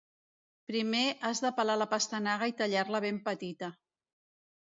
Primer has de pelar la pastanaga i tallar-la ben petita.